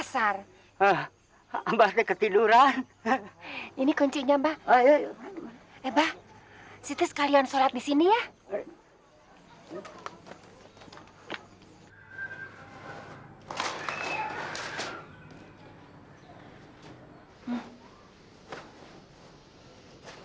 sebenarnya masalahnya pasang